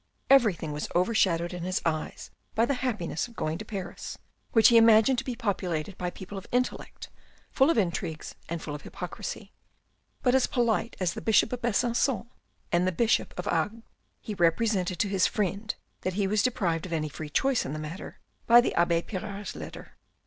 Everything was over shadowed in his eyes by the happiness of going to Paris, which he imagined to be populated by people of intellect, full of intrigues and full of hypocrisy, but as polite as the Bishop of Besancon and the Bishop of Agde. He represented to his friend that he was deprived of any free choice in the matter by the abbe Pirard's letter.